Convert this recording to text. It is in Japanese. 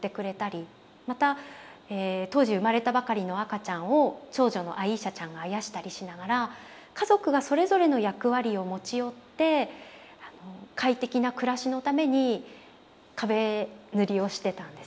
また当時生まれたばかりの赤ちゃんを長女のアイーシャちゃんがあやしたりしながら家族がそれぞれの役割を持ち寄って快適な暮らしのために壁塗りをしてたんです。